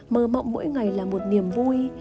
mơ mộng mỗi ngày là một niềm vui